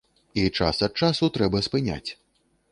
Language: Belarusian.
І час ад часу трэба спыняць.